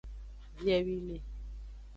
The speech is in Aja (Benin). Biewine.